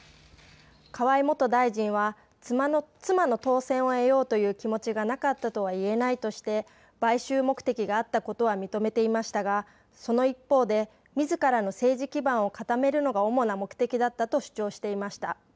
河井元大臣は妻の当選を得ようという気持ちがなかったとは言えないとして買収目的があったことは認めていましたがその一方で、みずからの政治基盤を固めるのが主な目的だったと主張していました。